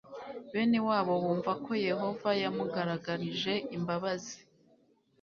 bene wabo bumva ko yehova yamugaragarije imbabazi